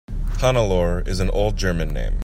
Hannelore is an old German name.